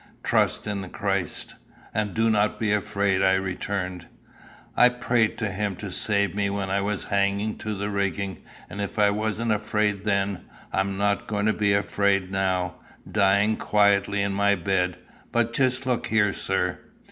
"Trust in Christ, and do not be afraid," I returned. "I prayed to him to save me when I was hanging to the rigging, and if I wasn't afraid then, I'm not going to be afraid now, dying quietly in my bed. But just look here, sir."